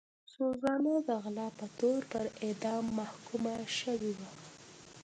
سوزانا د غلا په تور پر اعدام محکومه شوې وه.